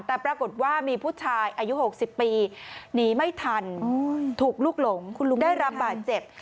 แต่ปรากฏว่ามีผู้ชายอายุ๖๐ปีหนีไม่ทันถูกลุกหลงคุณลุงได้รับบาดเจ็บ